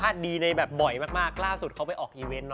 ธีมระดับกลางพอมันมีระบบ